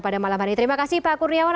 pada malam hari ini terima kasih pak kurniawan